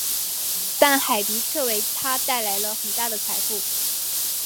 但海迪彻为他带来了很大的财富。